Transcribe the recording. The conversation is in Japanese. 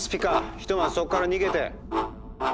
ひとまずそこから逃げて。